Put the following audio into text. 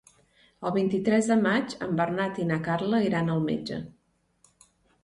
El vint-i-tres de maig en Bernat i na Carla iran al metge.